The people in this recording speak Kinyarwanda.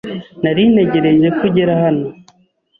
Nari ntegereje ko ugera hano.